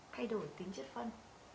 thay đổi tính chất phân